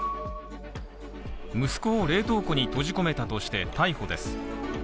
息子を冷凍庫に閉じ込めたとして逮捕です。